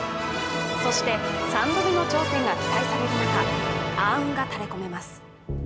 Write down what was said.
そして３度目の頂点が期待される中暗雲がたれ込めます。